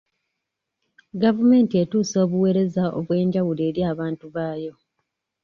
Gavumenti etuusa obuweereza obw'enjawulo eri abantu baayo.